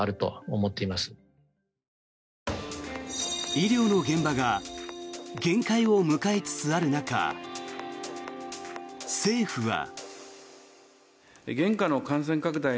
医療の現場が限界を迎えつつある中政府は。